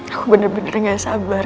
aku bener bener gak sabar